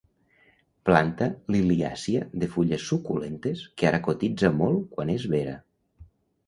Planta liliàcia de fulles suculentes, que ara cotitza molt quan és vera.